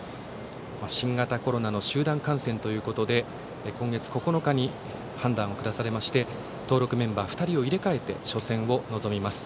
新型コロナの集団感染ということで今月９日に判断を下されまして登録メンバー２人を入れ替えて初戦に臨みます。